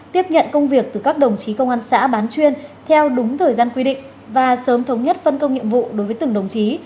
tiếp nhận công việc từ các đồng chí công an xã bán chuyên theo đúng thời gian quy định và sớm thống nhất phân công nhiệm vụ đối với từng đồng chí